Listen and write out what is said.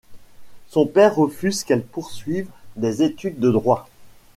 Son père refuse qu'elle poursuive des études de droit.